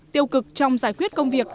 tiêu cực trong giải quyết công việc